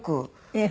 ええ。